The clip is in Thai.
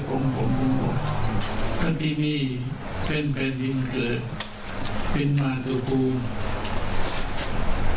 อัตมาก็คิดถึงพวกเขาทุกคนเมื่อมีโอกาสช่วงไหนก็จะมาเยี่ยม